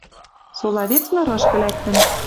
Сола вец нырышкы лӓктӹн